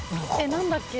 何だっけ？